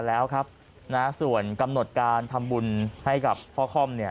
มาแล้วครับส่วนกำหนดการทำบุญให้กับพ่อคอม